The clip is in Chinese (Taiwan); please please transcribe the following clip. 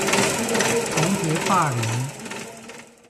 同學霸凌